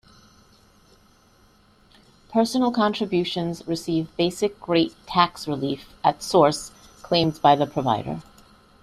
Personal contributions receive basic rate tax relief at source claimed by the provider.